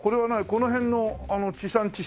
この辺の地産地消？